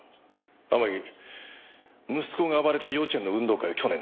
天樹息子が暴れた幼稚園の運動会去年のいつだ？